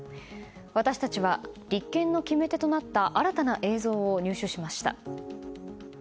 私たちは立件の決め手となった新たな映像を入手しました。